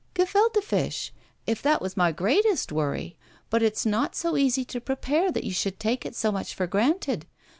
Gefulte fish! If that was my greatest worry. But it's not so easy to prepare, that you should take it so much for granted.